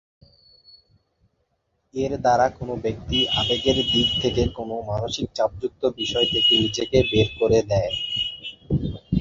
এর দ্বারা কোন ব্যক্তি আবেগের দিক থেকে কোন মানসিক চাপযুক্ত বিষয় থেকে নিজেকে বের করে নেয়।